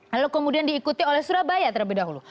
lalu kemudian diikuti oleh surabaya terlebih dahulu